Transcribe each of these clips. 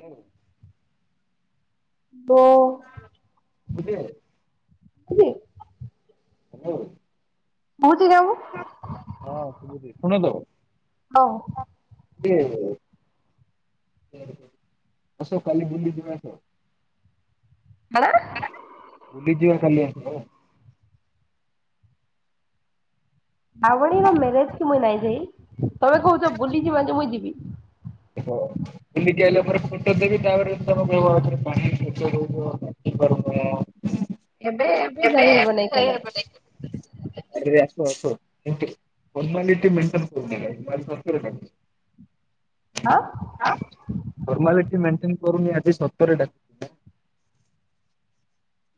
Hello ଓ ବୁଲିବେ? [unintelligible] Hello ହଁ ସୁବୁଚି ଶୁଣନ୍ତୁ। ଅହ ହ [inaudible] ଆସ, କାଲି ବୁଲିଯିବା ଆସ। କଣ? ବୁଲିଯିବା କାଲି ଆସେ ହେଲା। ଭଭଣୀର ମ୍ୟାରେଜ କି ମୁଇଁ ନାଇଁ ଯାଇ ତମେ କହୁଛ ବୁଲି ଯିମା ଯେ ମୁଇଁ ଯିବି। ହ ବୁଲିକି ଆଇଲାପରେ ଫଟୋଦେବି। ତାପରେ ତମେ କହିବ ପାଣି [inaudible] ବୁଝିପାରୁନ, ଏବେ ଏବେ ଯାଇ ହେବ ନାଇଁ କେନା କହିହେବନାହିଁ। ଆଜ୍ଞା। ଫର୍ମାଲିଟି ମେଣ୍ଟେନ କରୁନାହିଁ। ହଁ ଫର୍ମାଲିଟି ମେଣ୍ଟେନ୍। କରୁନି, ଆଜି ସତରେ ଡାକ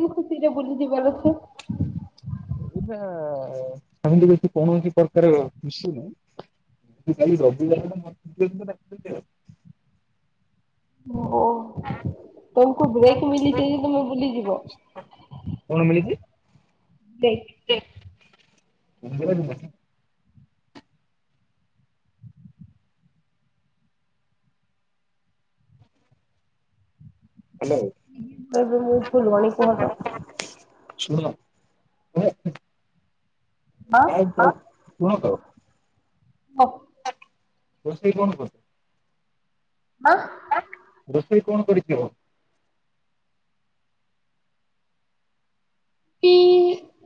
କେନ୍ ଖୁସିରେ ବୁଲିଯିବାର ଅଛି। ଏଇଟା ସେମିତି କିଛି କୌଣସି ପ୍ରକାରେ ଖୁସି ନାହିଁ। କାଲି ରବିବାରଟା ମୋତେ କିଏ ବିତ ଡାକିଲା। ଓ ତମକୁ ବ୍ବ୍ରେକ୍ ମିଲିଯାଇଛି, ତମେ ବୁଲିଯିବ। କଣ ମିଳିଛି ଦେଖ ମନ୍ଦିର ଯିବା। ହାଲୋ ଏବେ ମୁଁ ଫୁଲବାଣୀ କୁହ ତ [inaudible] ଶୁଣ, [inaudible] ହଁ ଶୁଣ ତ। ହ। ରୋଷେଇ କଣ କରିଛୁ। ହଁ। ସେ କଣ କରିଥିବ? କି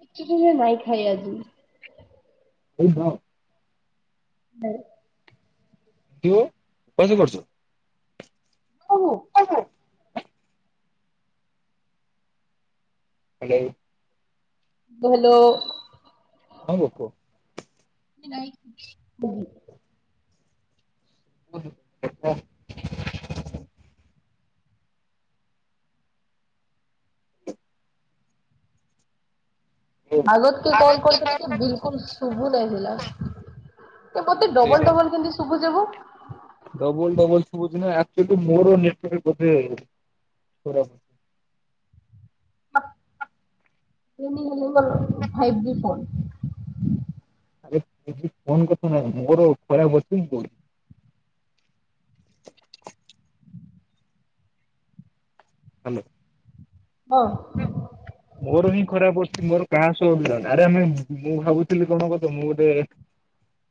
କିଛି ନାହିଁ ଖାଏ ଆଜି। ଆ ହଁ। [inaudible] ହ। [inaudible] ହୁଁ କଣ ସେ କରୁଛି। ହଉ ହଁ ହଁ। ହ୍ୟାଲୋ। ହାଲୋ। ହ ବୋଉ କୁହ। ଇଲାଇ। ବ। ହ। [inaudible] ଆଗ କିଏ କଲ କରିଥିଲେଜେ ବିଲକୁଲ ଶୁବୁନାଇଥିଲା। ଏ ମୋତେ ସେଇଟା ଡବଲ ଡବଲ କେନ୍ତେ ଶୁଭୁଛେ ବୋ। ଡବଲ ଡବଲ ଶୁଭୂଚିନା, ଆକଚୁଆଲି ମୋର ନେଟୱର୍କ୍ ବୋଧେ। ପୁରବ। ମିନି ନୁହେଁ ହାଲୋ ମୋର ଫାଇପଜି ଫୋନ। ଆରେ ଏଠି ଫୋନ କଥା ନାଇଁ ମୋର ଖରାପ ଅଛି ଫୋନ। ହ୍ୟାଲୋ। ହଁ। ମୋର ହିଁ ଖରାପ ପଡିଚି ମୋର କାହାସହ ହଉନଥିଲା। ଆରେ ଆମେ ମୁଁ ଭାବୁଥିଲି କଣ କହୁଚ ମୁଁ ଗୋଟେ ହ [inaudible]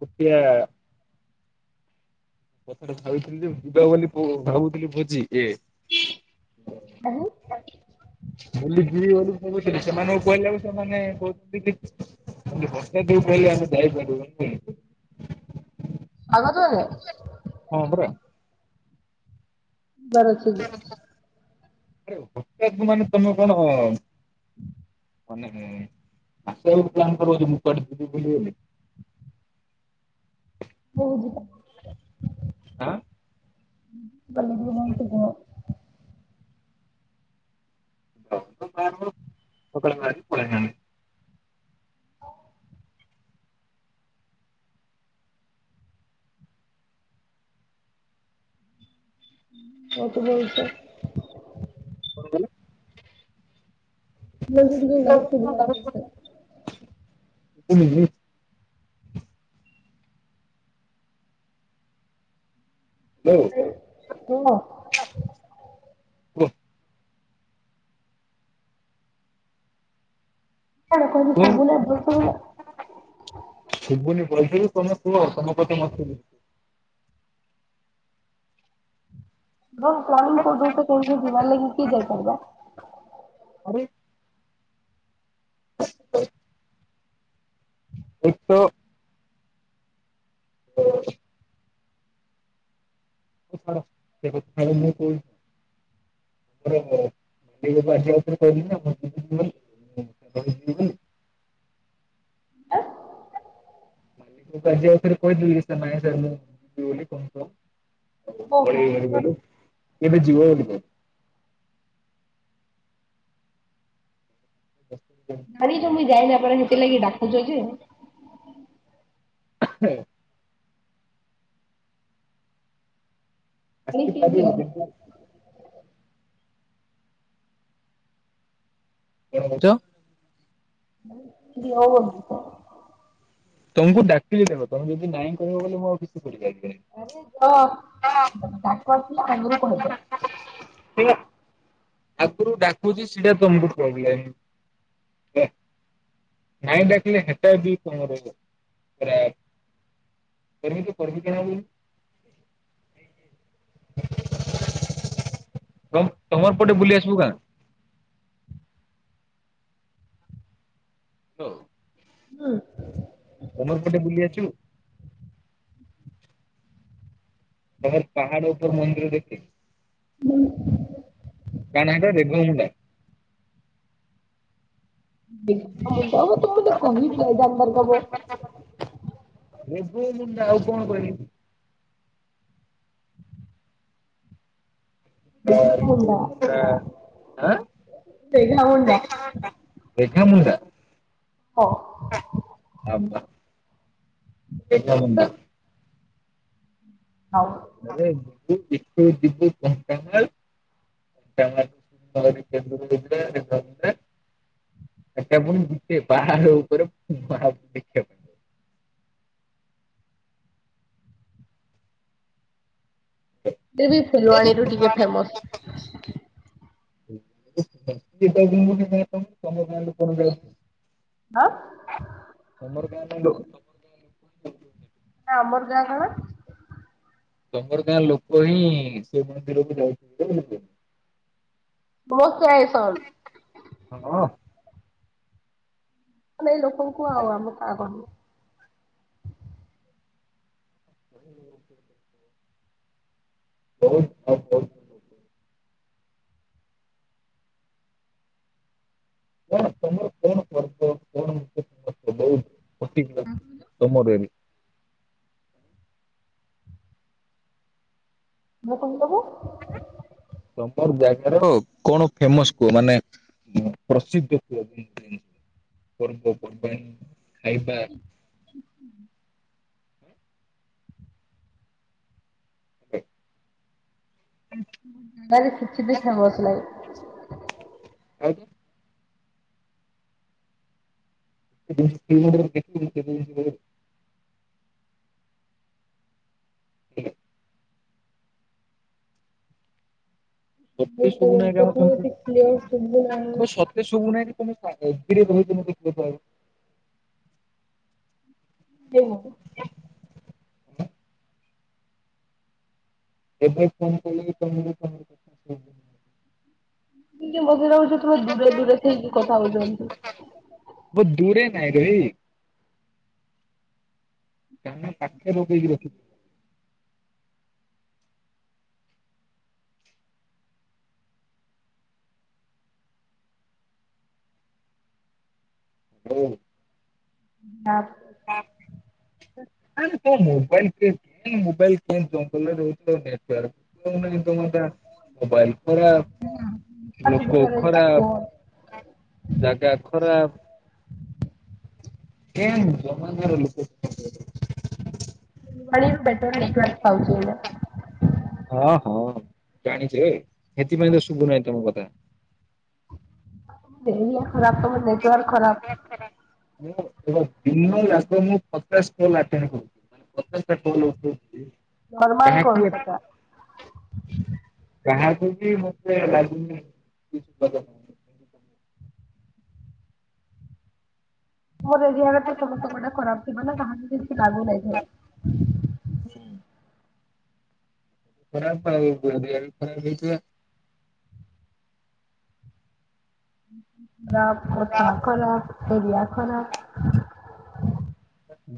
କତ୍ୟ [unintelligible] କଥାଟା ଭାବିଥିଲି ଯେ -ଯିବା ବୋଲି ଭାବୁଥିଲି ଭୋଜି ଏ ବହୁ [unintelligible] ବୁ ଯ ବୋଲିୁଥିଲି [unintelligible] ସେମାନଙ୍କୁ କୁହିଲାକୁ ସେମାନେ କହୁଛନ୍ତି କି ବ ଦଉ ପହିଲ ଆମେ ଯାଇ ପଡୁ [unintelligible] [inaudible] ଆଗତ ମାନେ ହଁ ପରା। ବରସିକ [unintelligible] ଆରେ ହଟ ମାନେ ତମେ କଣ [unintelligible] ମାନେ ଆସ ପ୍ କର ମୁଁ କିବୁ [unintelligible] ହଉଦ [unintelligible] ଆଁ ପଲପୂ ଶ କଣ [unintelligible] ପଳ ପଳଣି [unintelligible] ଓଉ [unintelligible] କତ ବୋଲଛ [unintelligible] ହଲ [unintelligible] ମ ଗାୟପ ଗତ [unintelligible] [unintelligible] ହ [unintelligible] ଓୁହ [unintelligible] କଣ କହିଲ କୁହ ଶବୁଲେ ଏବ [unintelligible] ବ ତମେ ସମପତି ମ [unintelligible] ହ ପଣି କୋଉ ଦଉ ସେ କ ଯିବ ଲାଗି କିଏ ଯାଇପାରିବା [unintelligible] ଆରେ ଏ ତ ସେଖଥାଲେ ମୁଁ କ [unintelligible] ମର ମଡି ଆସିବା କହିଲି ନା [unintelligible] ହୁଁ ସେ ଯିବ [unintelligible] ମଷରେ କହି ନାଇଁ ସ ମୁଁ ବୋଲି କ କ ଓହୋ। [unintelligible] ଏବେ ଜିିବ [unintelligible] ଗାାର ତ ମୁଁ ଯାଇନ ପ ସେ ଲଗି ଡାକୁଚଛ ଯେ [unintelligible] ହଁ ଆସିଛି ଜାଣିଛି ଖଦ ଦିଅ କିନ୍ତୁ [unintelligible] ଯଉ [unintelligible] ହଉ [unintelligible] ତମକୁ ଡାକିଲି ଦେବ, ତମେ ଯଦି ନାଇଁ କହିବ, ମୁଁ ଆଉ କିଛି କରିପାରିବିନି। ଆରେ ତ ଦାଟ ଆନ୍ଦୁରୁପ ହେ ତ [unintelligible] [unintelligible] ଆଗରୁ ଡାକୁଛି, ସେଟା ତମକୁ ପ୍ରୋବ୍ଲେମ ହେଲା ନାଇଁ ଡାକିଲେ, ହେଟା ବି ତମରରା [unintelligible] ପରମିକ ପରମିକ ନା [unintelligible] ତ ତମର [unintelligible] ପଟେ ବୁଲି ଆସିବୁ କା [unintelligible] ହଉ [unintelligible] ହଁ [unintelligible] ତମର ପଟେ ବୁଲି ଅଛୁ ତମ ପାହାଡ ଉପରେ ମନ୍ଦିର ଦେଖେ। କଣାଟରେ ଗମଣ୍ଡା [unintelligible] ମୁବୁ ତୁ ମାନେ କହିହିବ ନାାଇ ଜାଣିବାର କବ [unintelligible] ଏବେ ମୁଁ ଆଉ କଣ କରିବି। [unintelligible] ବେଘା ମୁଣ୍ଡା। ଆ, ବେଘା ମୁଣ୍ଡା। ରେଖା ମୁଣ୍ଡା ହଁ। ଆବ ରେଖା ମୁଣ୍ଡା। ଆଉ [unintelligible] [unintelligible] ଏଟା ପୁଣି ଦିଶେ ବାହାର ଉପରେ ବାହାର ଦେଖିବାପାଇଁ [inaudible] ଏ ସେ ବି [unintelligible] [unintelligible] ଦି ଫୁଲବାଣୀରୁ ଟିକେ ଚାରି ଫେମସ। ଦିନ [unintelligible] ନା। ମୋର କାଇଁ [unintelligible] ନା ଆମର ଗାଁ କଣ? ତୋମର ଗାଁ ଲୋକ ହିଁ ସେ ମନ୍ଦିରକୁ ଯାଇଥିଲେ ସେଦିନ। ହଁ। [unintelligible] ଆମେ ଏଇ ଲୋକଙ୍କୁ ଆଉ ଆମ କାଁ କହିବୁ। [inaudible] ବହୁତ [inaudible] ନା ତୋମର କଣ କରବ [inaudible] ପଶିଯିବ ତୋମର ବି। [unintelligible] ତୋମର ଜାଗାର କଣ ଫେମସ୍ କୁଅ? ମାନେ ମ-ପ୍ରସିଦ୍ଧ କୁହ ପର୍ବପର୍ବାଣୀ। ଖାଇବା ହୋ ନାଇରେ କିଛି ବି ଫେମସ୍ ନାଇଁ। ଆଜ୍ଞା। [unintelligible] [unintelligible] ଯେ ତୋତେ ତୋ ଶୁଭୁନାଇ କାଣ କଥା କେମତି, ଏତେ କ୍ଲିୟର ଶୁଭୁ ନାହିଁ। ହଁ ସତେ ଶୁଭୁ ନାଇ କି ତୋମେ କଣ କଉ ସେ ଯୋଉ କହୁଥିନିକି [unintelligible] [unintelligible] [unintelligible] ମୋତେ ଲାଗୁଚୁ ତୁମେ ଦୂରେ ଦୂରେ ହେଇକି କଥା ହଉଚନ୍ତି। କାଇଁ କହିବି। କାନ୍ହ ପାଖରେ [unintelligible] ରଖିଚି। [unintelligible] ନା [unintelligible] ତ ମୋବାଇଲ୍ କେନ୍ [unintelligible] ପ୍ରବ୍ଲେମ୍ ରହୁଚି ତ ନେଟୱାର୍ [unintelligible] ତୋମ ଟା ମୋବାଇଲ୍ ଖରାପ। ତାଙ୍କ ଲୋକ ବିଷୟରେ କୁହ। ଖରାପ, ଜାଗା ଖରାପ। କେମ [unintelligible] ଲୋକ [unintelligible] [unintelligible] ବେଟର୍ ନେଟୱାର୍କ ପାଉଚି ନା। ହଁ, ହଁ, ଜାଣିଛି ଏ ସେଥିପାଇଁ ତ ଶୁଭୁ ନାହିଁ ତୋମ କଥା। ଏରିଆ ଖରାପ, ତୋମର ନେଟୱାର୍କ ଖରାପ। ମୁଁ ତ ଦିନ ଯାକ ମୁଁ ପଚାଶ କଲ୍ ଆଟେଣ୍ଡ କରୁଚି। ମୁଁ ପଚାଶ ଟା କଲ୍ ଉଠଉଚି। ନର୍ମାଲ କଣ ସେଟା? କାହାକୁ ବି ମତେ ଲାଗୁନି [unintelligible] ମୋ ଏରିଆ ତୁ ହୁଁ। ଖରା ଏ ଖରା [unintelligible]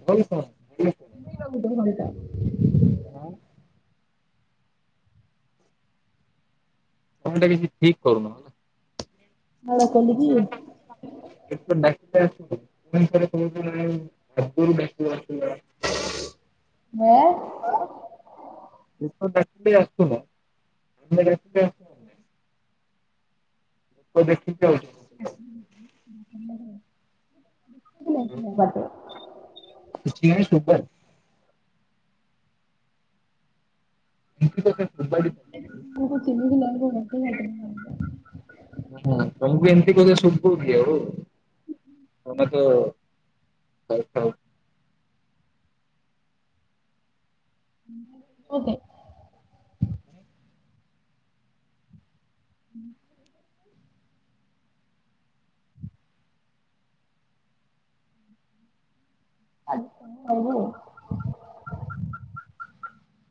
ଭଲ। ଭଲ କଣ? [unintelligible] ହଁ। ତମେ ଟା କିଛି ଠିକ କରୁନ ହେଲା। ଭଳ କୋଲିି କି? [unintelligible] ହଁ। [unintelligible] ଲୋକ ଦେଖିକି ଯାଉଛ। [inaudible] [inaudible] ଏମିତି କଥା ଫୋପାଡି ହୁଁ ମୁଁ କିମି ଦିନ [unintelligible] ହଁ ତମକୁ ବି ଏମତି କଣ ଶୁଭୁଛି କି ଆଉ। ତମେ ତ [unintelligible] ଓକେ। ହୁଁ। ଆ ହଉ।